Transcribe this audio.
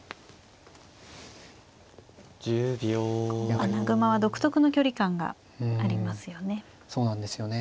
穴熊は独特の距離感がありますよね。